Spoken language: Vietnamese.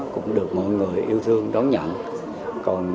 cũng được mọi người yêu thương đón nhận